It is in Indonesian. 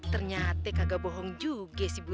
ternyata kagak bohong juga